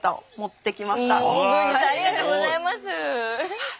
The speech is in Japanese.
郡司さんありがとうございます。